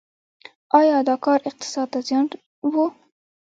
آیا دا کار اقتصاد ته زیان و؟